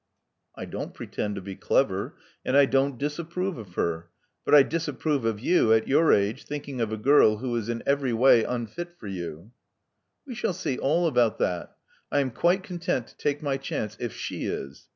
'*I don't pretend to be clever. And I don't disap prove of her; but I disapprove of you, at your age, thinking of a girl who is in every way unfit for you, *'We shall see all about that. I am quite content to take my chance, if she is.